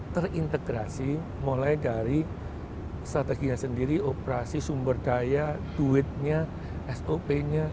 terintegrasi mulai dari strateginya sendiri operasi sumber daya duitnya sop nya